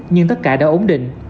nhưng tất cả đã ổn định